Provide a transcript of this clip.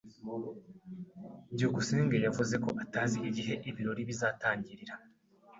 byukusenge yavuze ko atazi igihe ibirori bizatangirira.